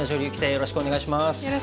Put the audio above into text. よろしくお願いします。